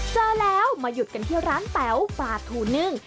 เจอแล้วมาหยุดกันที่ร้านแต๋วปลาทูนึ่ง